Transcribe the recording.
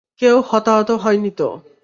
কেউ হতাহত হয়নি তো?